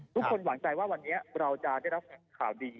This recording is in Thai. หวังใจว่าวันนี้เราจะได้รับข่าวดี